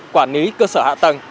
quản lý cơ sở hạ tầng